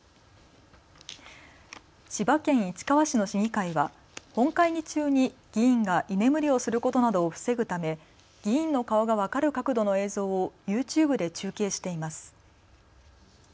千葉県市川市の市議会は本会議中に議員が居眠りをすることなどを防ぐため議員の顔が分かる角度の映像をＹｏｕＴｕｂｅで中継しています。